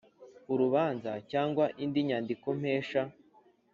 urubanza cyangwa indi nyandikompesha